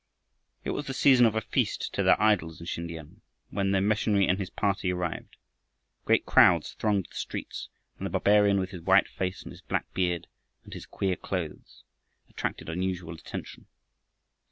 It was the season of a feast to their idols in Sin tiam when the missionary and his party arrived. Great crowds thronged the streets, and the barbarian with his white face and his black beard and his queer clothes attracted unusual attention.